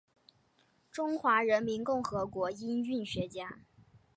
中华人民共和国音韵学家。